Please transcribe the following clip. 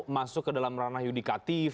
masuk ke dalam ranah yudikatif